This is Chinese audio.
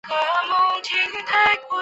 宫崎八郎的父亲是玉名郡荒尾村。